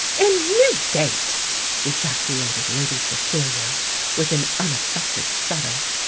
"In Newgate!" ejaculated Lady Cecilia, with an unaffected shudder.